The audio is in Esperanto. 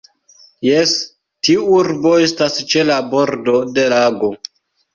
Jes, tiu urbo estas ĉe la bordo de lago.